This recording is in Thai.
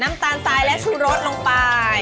น้ำตาลทรายและชูรสลงไป